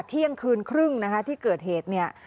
เที่ยงคืนครึ่งนะคะที่เกิดเหตุเนี่ย